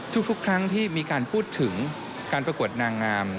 ทุกครั้งที่มีการพูดถึงการประกวดนางงาม